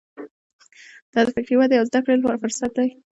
دا د فکري ودې او زده کړې لپاره فرصت دی.